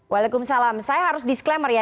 waalaikumsalam saya harus disclaimer ya